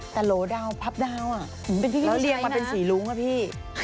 แต่หลบดาวน์พับดาวน์อ่ะแล้วเรียงมาเป็นสีรุ้งอ่ะพี่